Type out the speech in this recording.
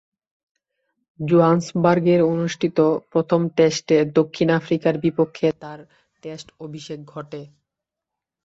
জোহানেসবার্গে অনুষ্ঠিত প্রথম টেস্টে দক্ষিণ আফ্রিকার বিপক্ষে তার টেস্ট অভিষেক ঘটে।